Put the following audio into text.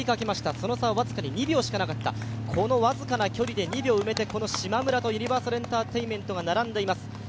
その差は僅かに２秒しかなかった、この僅かな距離で２秒埋めてしまむらとユニバーサルエンターテインメントが並んでいます。